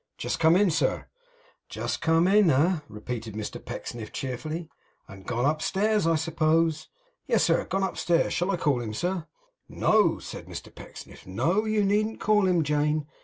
'Just come in, sir.' 'Just come in, eh?' repeated Mr Pecksniff, cheerfully. 'And gone upstairs, I suppose?' 'Yes sir. Gone upstairs. Shall I call him, sir?' 'No,' said Mr Pecksniff, 'no. You needn't call him, Jane.